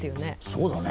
そうだね。